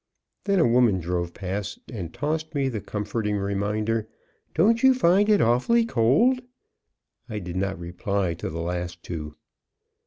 Then a woman drove past and tossed me the comforting reminder: "Don't you find it awfully cold?" I did not reply to the last two.